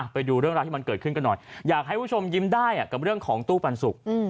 ไปดูเรื่องราวที่มันเกิดขึ้นกันหน่อยอยากให้ผู้ชมยิ้มได้กับเรื่องของตู้ปันสุก